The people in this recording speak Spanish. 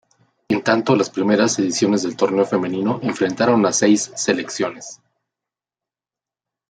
En tanto, las primeras ediciones del torneo femenino enfrentaron a seis selecciones.